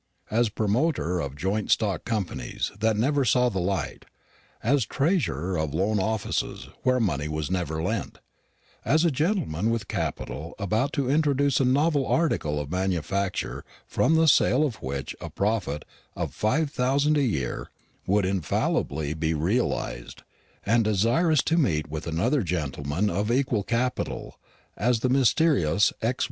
As promoter of joint stock companies that never saw the light; as treasurer of loan offices where money was never lent; as a gentleman with capital about to introduce a novel article of manufacture from the sale of which a profit of five thousand a year would infallibly be realized, and desirous to meet with another gentleman of equal capital; as the mysterious X.